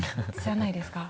じゃないですか？